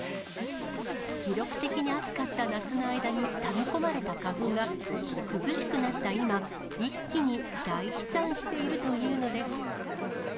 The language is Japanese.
記録的に暑かった夏の間にため込まれた花粉が、涼しくなった今、一気に大飛散しているというのです。